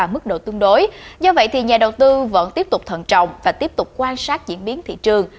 mức độ tương đối do vậy thì nhà đầu tư vẫn tiếp tục thận trọng và tiếp tục quan sát diễn biến thị trường